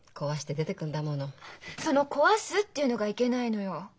その「壊す」っていうのがいけないのよ。